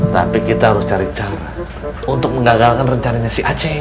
tapi kita harus cari cara untuk mengagalkan rencananya si aceh